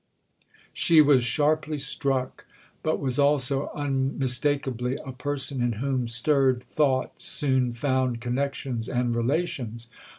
She was sharply struck, but was also unmistakably a person in whom stirred thought soon found connections and relations.